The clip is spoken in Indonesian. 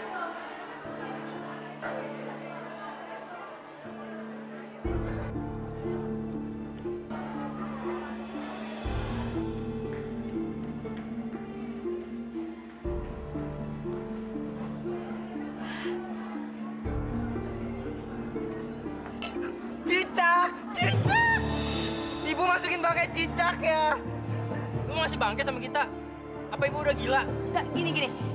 cicak cicak ibu masukin pakai cicak ya masih banget sama kita apa udah gila gini gini ya